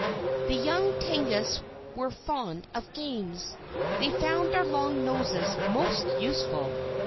The young Tengus were fond of games. They found their long noses most useful.